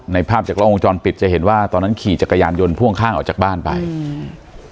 ภาพจากล้องวงจรปิดจะเห็นว่าตอนนั้นขี่จักรยานยนต์พ่วงข้างออกจากบ้านไปอืม